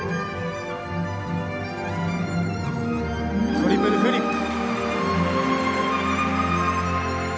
トリプルフリップ。